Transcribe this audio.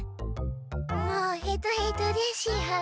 もうヘトヘトでしゅ。